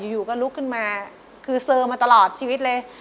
อยู่ก็ลุกขึ้นมาคือเซอร์มาตลอดชีวิตเลย